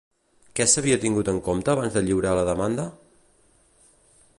Què s'havia tingut en compte abans de lliurar la demanda?